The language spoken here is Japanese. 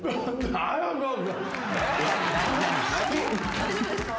大丈夫ですか？